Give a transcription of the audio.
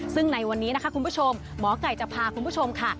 ซึ่งในวันนี้นะคะคุณผู้ชมหมอไก่จะพาคุณผู้ชมค่ะ